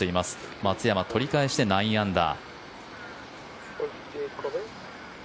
松山、取り返して９アンダー。